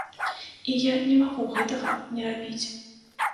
І я не магу гэтага не рабіць.